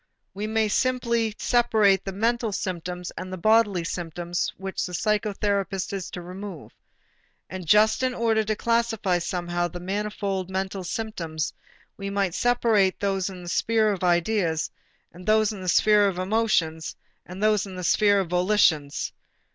We simply separate the mental symptoms and the bodily symptoms which the psychotherapist is to remove. And just in order to classify somehow the manifold mental symptoms, we might separate those in the sphere of ideas, those in the sphere of emotions, and those in the sphere of volitions.